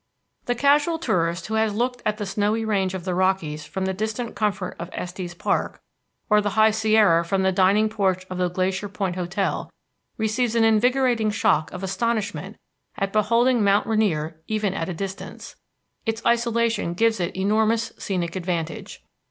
The casual tourist who has looked at the Snowy Range of the Rockies from the distant comfort of Estes Park, or the High Sierra from the dining porch of the Glacier Point Hotel, receives an invigorating shock of astonishment at beholding Mount Rainier even at a distance. Its isolation gives it enormous scenic advantage.